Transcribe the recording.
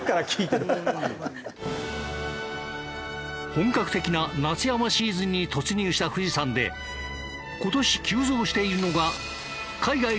本格的な夏山シーズンに突入した富士山で今年急増しているのが海外からの登山者。